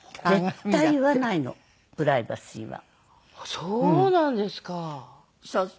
そうなんですか。